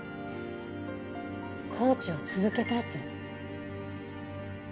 コーチを続けたいっていうの？